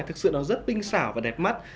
thực sự nó rất binh xảo và đẹp mắt